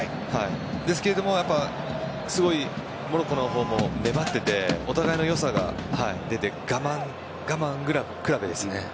ですが、すごいモロッコの方も粘っててお互いのよさが出て我慢比べですね。